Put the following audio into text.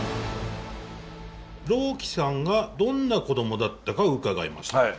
朗希さんがどんな子どもだったかを伺いました。